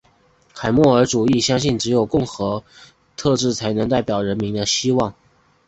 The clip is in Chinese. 凯末尔主义相信只有共和体制才可以代表人民的希望。